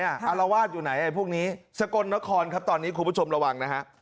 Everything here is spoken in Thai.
อารวาสอยู่ไหนไอ้พวกนี้สกลนครครับตอนนี้คุณผู้ชมระวังนะฮะ